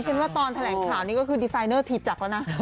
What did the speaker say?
ก็เห็นว่าตอนแถลงข่าวนี้ก็คือดีไซเนอร์ทีจักรแล้วนะ